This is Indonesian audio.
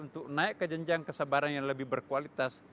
untuk naik ke jenjang kesabaran yang lebih berkualitas